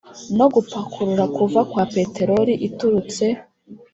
no gupakurura kuva kwa peteroli iturutse